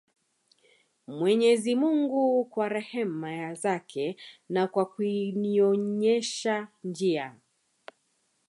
Mwenyezi mungu kwa rehma zake na kwa kunionyesha njia